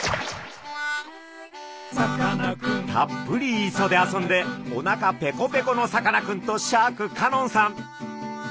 たっぷり磯で遊んでおなかペコペコのさかなクンとシャーク香音さん。